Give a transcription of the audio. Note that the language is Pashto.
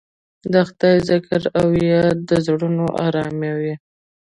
د خدای ذکر او یاد زړونه اراموي.